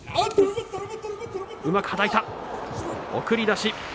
送り出し。